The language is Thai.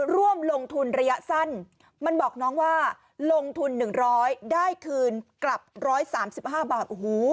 ร่วมลงทุนระยะสั้นมันบอกน้องว่าลงทุน๑๐๐ได้คืนกลับ๑๓๕บาท